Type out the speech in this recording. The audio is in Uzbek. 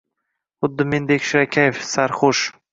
Xuddi mendek shirakayf, sarxush.